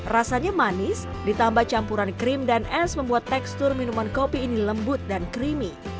rasanya manis ditambah campuran krim dan es membuat tekstur minuman kopi ini lembut dan creamy